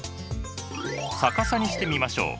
逆さにしてみましょう。